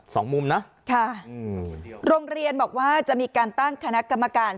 สองมุมนะค่ะอืมโรงเรียนบอกว่าจะมีการตั้งคณะกรรมการ